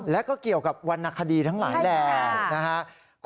และก็เกี่ยวกับวันนักคดีทั้งหลายแหลมนะฮะใช่ค่ะ